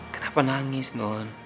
kenapa nangis nun